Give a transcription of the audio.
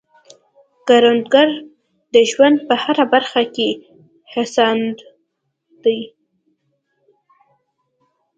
کروندګر د ژوند په هره برخه کې هڅاند دی